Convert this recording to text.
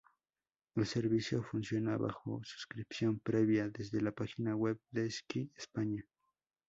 El servicio, funciona bajo suscripción previa desde la página web de Sky España.